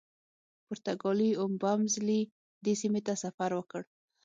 پرتګالي اوبمزلي دې سیمې ته سفر وکړ.